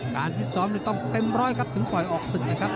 การที่สร้อนต้องเต็มร้อยครับถึงปล่อยออกสิ่งเลยครับ